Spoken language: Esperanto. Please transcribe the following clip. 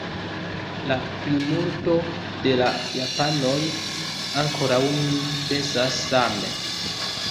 La plimulto de la japanoj ankoraŭ nun pensas same.